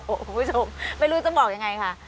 โอ้คุณผู้ชมไม่รู้จะบอกอย่างไรค่ะ